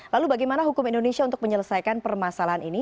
lalu bagaimana hukum indonesia untuk menyelesaikan permasalahan ini